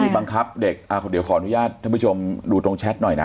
บังคับเด็กเดี๋ยวขออนุญาตท่านผู้ชมดูตรงแชทหน่อยนะ